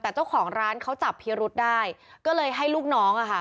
แต่เจ้าของร้านเขาจับพิรุษได้ก็เลยให้ลูกน้องอ่ะค่ะ